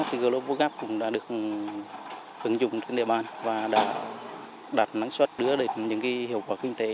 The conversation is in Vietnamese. ngoài việt gap global gap cũng đã được ứng dụng trên địa bàn và đã đạt năng suất đưa đến những hiệu quả kinh tế